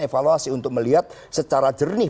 evaluasi untuk melihat secara jernih